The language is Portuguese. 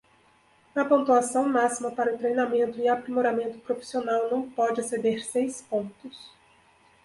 A pontuação máxima para treinamento e aprimoramento profissional não pode exceder seis pontos.